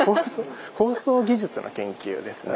放送技術の研究ですね。